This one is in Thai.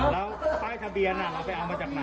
แล้วป้ายทะเบียนเราไปเอามาจากไหน